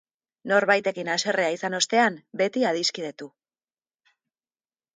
Norbaitekin haserrea izan ostean beti adiskidetu.